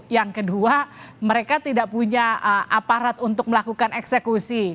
yang kedua mereka tidak punya aparat untuk melakukan eksekusi